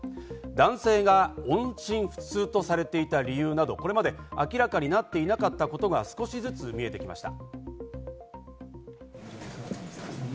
男性が音信不通とされていた理由など、これまで明らかになっていなかったことが少しずつ見えてきました。